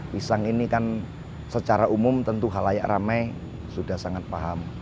pisang ini kan secara umum tentu halayak ramai sudah sangat paham